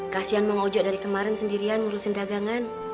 kasian mang hojo dari kemarin sendirian ngurusin dagangan